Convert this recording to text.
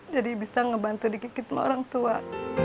jadi bisa ngebantu dikit dikit sama orang tua